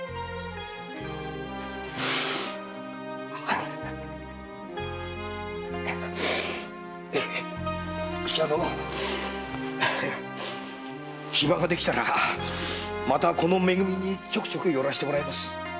あっし暇ができたらまたこのめ組にちょくちょく寄らせてもらいます。